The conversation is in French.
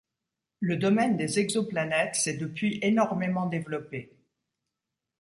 Le domaine des exoplanètes s'est depuis énormément développé.